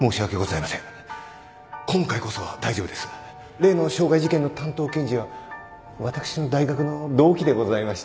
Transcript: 例の傷害事件の担当検事は私の大学の同期でございまして。